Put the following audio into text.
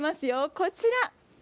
こちら。